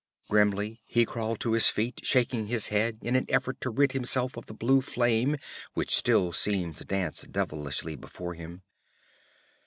Grimly he crawled to his feet, shaking his head in an effort to rid himself of the blue flame which seemed still to dance devilishly before him.